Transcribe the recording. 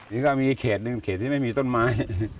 นี่ก็มีเขตหนึ่งเขตที่ไม่มีต้นไม้